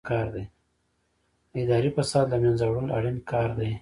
د اداري فساد له منځه وړل اړین کار دی.